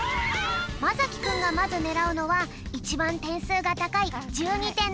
まさきくんがまずねらうのはいちばんてんすうがたかい１２てんのピン。